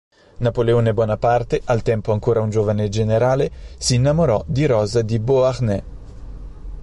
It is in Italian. Napoleone Bonaparte, al tempo ancora un giovane generale, si innamorò di Rosa di Beauharnais.